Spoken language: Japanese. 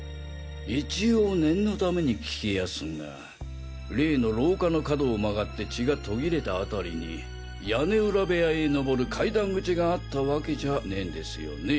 一応念の為に聞きやすが例の廊下の角を曲がって血が途切れた辺りに屋根裏部屋へのぼる階段口があったワケじゃねぇんですよね？